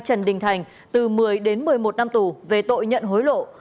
trần đình thành từ một mươi đến một mươi một năm tù về tội nhận hối lộ